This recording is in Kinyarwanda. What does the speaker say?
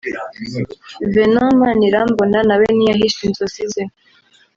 Venant Manirambona nawe ntiyahishe inzozi ze